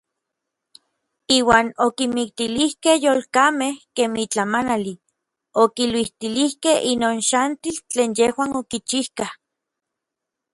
Iuan okimiktilijkej yolkamej kemij tlamanali, okiluitilijkej inon xantil tlen yejuan okichijkaj.